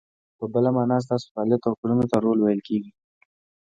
په بله مانا، ستاسو فعالیت او کړنو ته رول ویل کیږي.